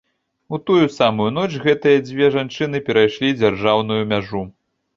У тую самую ноч гэтыя дзве жанчыны перайшлі дзяржаўную мяжу.